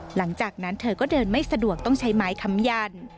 หลังจากนั้นเธอก็เดินไม่สะดวกต้องใช้ไม้คำยัน